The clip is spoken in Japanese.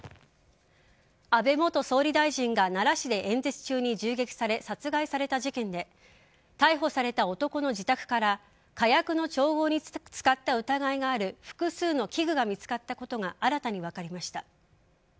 安倍元総理大臣が奈良市で演説中に銃撃され殺害された事件で逮捕された男の自宅から火薬の調合に使った疑いがある複数の器具が見つかったことが新たに分かりました。